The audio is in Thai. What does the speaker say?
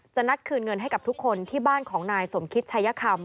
นัดคืนเงินให้กับทุกคนที่บ้านของนายสมคิตชายคำ